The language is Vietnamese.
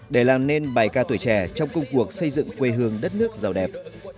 để làm nên bài ca tuổi trẻ trong công cuộc xây dựng quê hương đất nước giàu đẹp